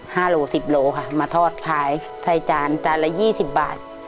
โลสิบโลค่ะมาทอดขายจานจานละยี่สิบบาท